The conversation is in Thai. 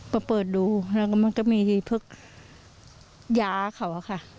เปิดดูแล้วก็มันก็มีพวกยาเขาอะค่ะ